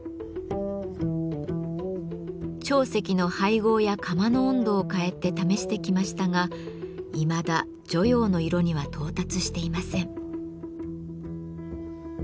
長石の配合や窯の温度を変えて試してきましたがいまだ汝窯の色には到達していません。